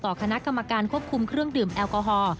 คณะกรรมการควบคุมเครื่องดื่มแอลกอฮอล์